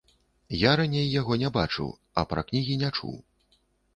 Я раней яго не бачыў, а пра кнігі не чуў.